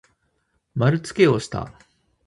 まるつけをした。